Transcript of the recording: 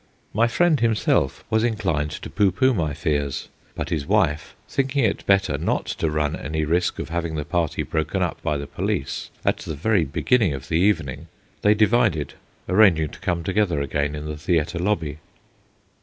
My friend himself was inclined to pooh pooh my fears; but his wife thinking it better not to run any risk of having the party broken up by the police at the very beginning of the evening, they divided, arranging to come together again in the theatre lobby.